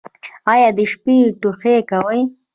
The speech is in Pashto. ایا د شپې ټوخی کوئ؟